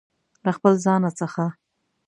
له خپل ځانه څخه